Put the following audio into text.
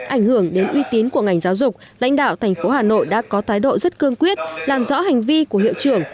ảnh hưởng đến uy tín của ngành giáo dục lãnh đạo thành phố hà nội đã có thái độ rất cương quyết làm rõ hành vi của hiệu trưởng